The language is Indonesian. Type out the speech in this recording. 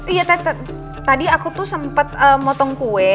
iya tadi aku tuh sempet motong kue